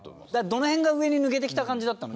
どの辺が上に抜けてきた感じだったの？